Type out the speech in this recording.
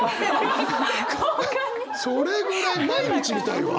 それぐらい毎日見たいわ。